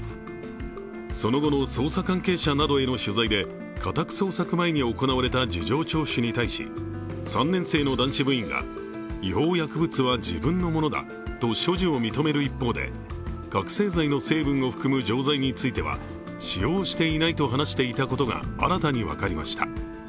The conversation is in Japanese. その後の捜査関係者などへの取材で家宅捜索前に行われた事情聴取に対し３年生の男子部員が違法薬物は自分のものだと所持を認める一方で覚醒剤の成分を含む錠剤については使用していないと話していたことが新たに分かりました。